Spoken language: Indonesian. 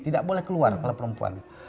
tidak boleh keluar kalau perempuan